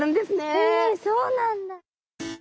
へえそうなんだ。